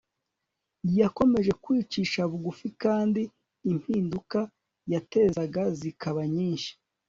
yakomeje kwicisha bugufi, kandi impinduka yatezaga zikaba nyinshi